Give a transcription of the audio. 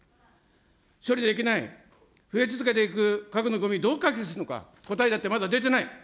処理できない、増え続けていく核のごみ、どう解決するのか、答えだってまだ出てない。